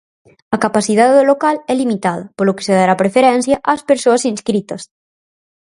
A capacidad do local é limitada polo que se dará preferencia as persoas inscritas.